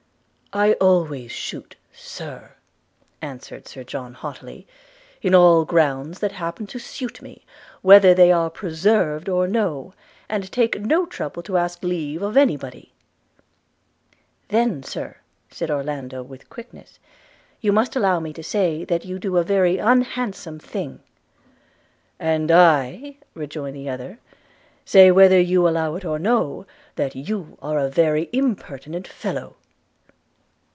'I always shoot, Sir,' answered Sir John haughtily, 'in all grounds that happen to suit me, whether they are preserved or no, and take no trouble to ask leave of any body.' 'Then, Sir,' said Orlando with quickness, 'you must allow me to say that you do a very unhandsome thing.' 'And I,' rejoined the other, 'say, whether you allow it or no, that you are a very impertinent fellow.'